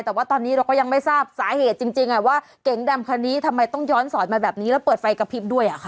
แต่ว่าตอนนี้เราก็ยังไม่ทราบสาเหตุจริงว่าเก๋งดำคันนี้ทำไมต้องย้อนสอนมาแบบนี้แล้วเปิดไฟกระพริบด้วย